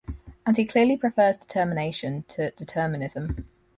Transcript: And he clearly prefers "determination" to "determinism.